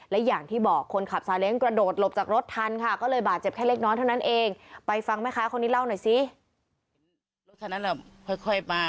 และอย่างที่บอกคนขับซาเล้งกระโดดหลบจากรถทันค่ะก็เลยบาดเจ็บแค่เล็กน้อยเท่านั้นเองไปฟังแม่ค้าคนนี้เล่าหน่อยสิ